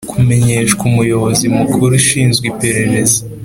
kumenyeshwa umuyobozi mukuru ushinzwe ipereza